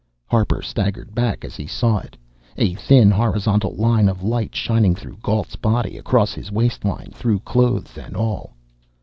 Harper staggered back as he saw it a thin, horizontal line of light shining through Gault's body across his waistline, through clothes and all.